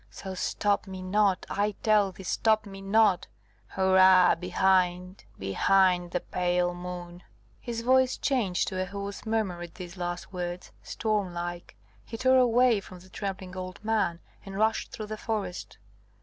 So, stop me not, I tell thee, stop me not! Hurra, behind, behind the pale Moon!" His voice changed to a hoarse murmur at these last words, storm like. He tore away from the trembling old man, and rushed through the forest.